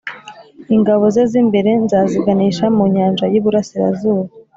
Ingabo ze z’imbere nzaziganisha mu nyanja y’iburasirazuba,